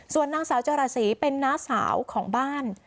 ส่วนนางสาวจรสีเป็นน้าสาวของบ้าน